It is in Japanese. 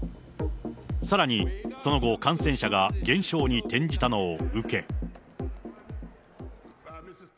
さらに、その後、感染者が減少に転じたのを受け。